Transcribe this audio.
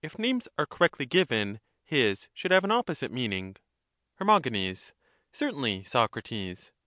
t^^'] names are correctly given, his should have an opposite Cratyius. meaning. Socrates, Her. Certainly, Socrates.